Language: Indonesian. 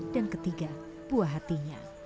dan ketiga buah hatinya